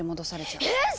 えっ！